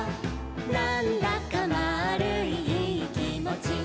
「なんだかまぁるいいいきもち」